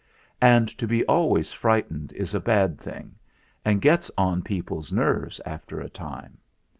And to be always frightened is a bad thing and gets on people's nerves after a time.